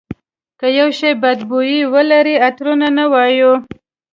که یو شی بد بوی ولري عطر نه وایو.